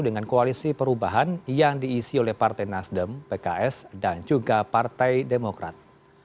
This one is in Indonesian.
dengan koalisi perubahan yang diisi oleh partai nasdem pks dan juga partai demokrat